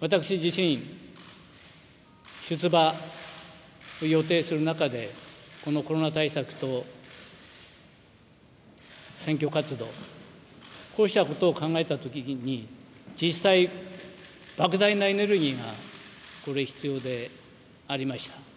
私自身、出馬を予定する中で、このコロナ対策と選挙活動、こうしたことを考えたときに実際、ばく大なエネルギーが必要でありました。